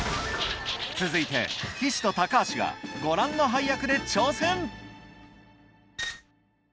続いて岸と橋がご覧の配役で挑戦